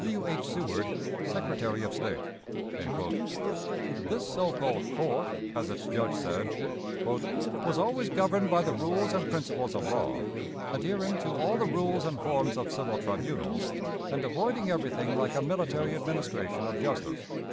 "W. H. SEWARD, Secretary of State." This so called court, as its judge said, "was always governed by the rules and principles of law, adhering to all the rules and forms of civil tribunals, and avoiding everything like a military administration of justice.